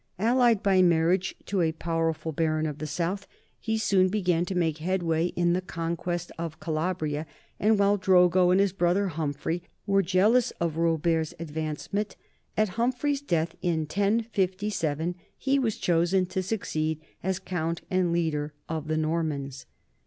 Allied by marriage to a powerful baron of the south, he soon began to make headway in the conquest of Calabria, and while Drogo and his brother Humphrey were jealous of Robert's advance ment, at Humphrey's death in 1057 he was chosen to succeed as count and leader of the Normans.